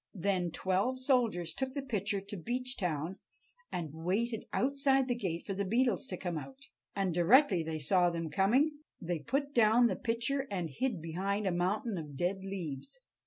Then twelve soldiers took the pitcher to Beechtown and waited outside the gate for the Beetles to come out. And directly they saw them coming they put down the pitcher and hid behind a mountain of dead leaves.